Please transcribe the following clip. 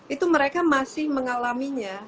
itu mereka masih mengalaminya